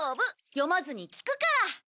読まずに聞くから！